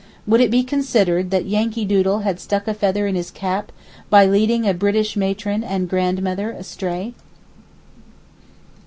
Would it be considered that Yankeedoodle had 'stuck a feather in his cap' by leading a British matron and grandmother astray?